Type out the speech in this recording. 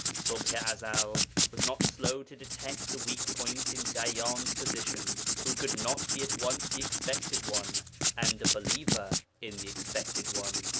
Ṣubḥ i Ezel was not slow to detect the weak point in Dayyan's position, who could not be at once the Expected One and a believer in the Expected One.